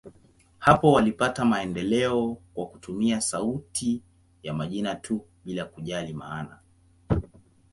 Hapo walipata maendeleo kwa kutumia sauti ya majina tu, bila kujali maana.